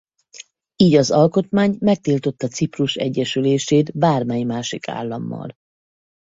Így az alkotmány megtiltotta Ciprus egyesülését bármely másik állammal.